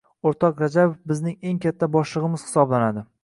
O’rtoq Rajabov bizning eng katta boshlig‘imiz hisoblanadi.